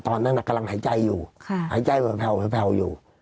ตอนนั้นกำลังหายใจอยู่หายใจแผ่วอยู่